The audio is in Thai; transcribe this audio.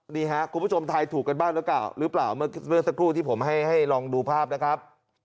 นี่ครับคุณผู้ชมทายถูกกันบ้างหรือเปล่าหรือเปล่าเมื่อสักครู่ที่ผมให้ลองดูภาพนะครับ